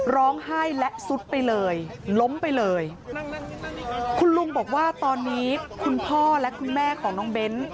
ร้องไห้และซุดไปเลยล้มไปเลยคุณลุงบอกว่าตอนนี้คุณพ่อและคุณแม่ของน้องเบ้น